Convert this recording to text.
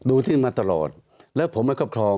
อืม